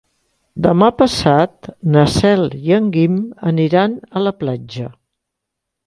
Demà passat na Cel i en Guim aniran a la platja.